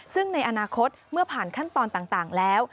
ซึ่งในอนาคตเมื่อผ่านขั้นตอนต่างแล้ว